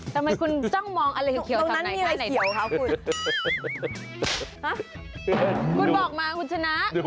ทำไมคุณจ้างมองอะไรคลียวทำไหนใส่ในสะเทียง